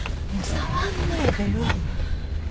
触んないでよ。